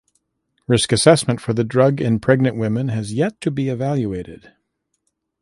Risk assessment for the drug in pregnant women has yet to be evaluated.